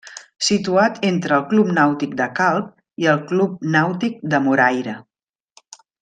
Situat entre el Club Nàutic de Calp i el Club Nàutic de Moraira.